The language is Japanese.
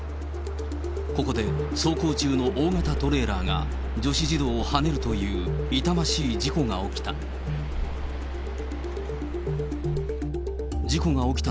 ここで、走行中の大型トレーラーが、女子児童をはねるという痛ましい事故が起きた。